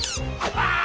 ああ！